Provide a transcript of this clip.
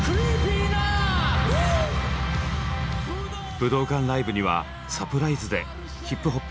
武道館ライブにはサプライズでＨＩＰＨＯＰ